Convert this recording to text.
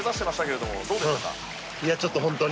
いやちょっとホントに。